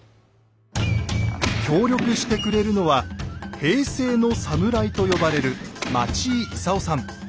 協力してくれるのは「平成のサムライ」と呼ばれる町井勲さん。